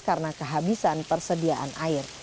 karena kehabisan persediaan air